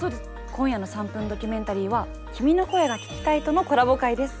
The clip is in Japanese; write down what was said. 今夜の「３分ドキュメンタリー」は「君の声が聴きたい」とのコラボ回です。